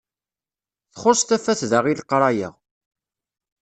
Txuṣṣ tafat da i leqraya.